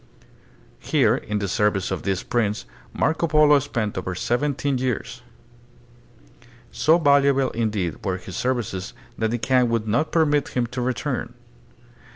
Here in the service of this prince Marco Polo spent over seventeen years. So valuable in deed were his services that the Kaan would not permit him to return.